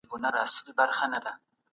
د لويي جرګې غړي کله د غرمې ډوډۍ خوري؟